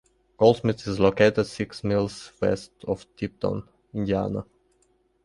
Goldsmith is located six miles west of Tipton, Indiana.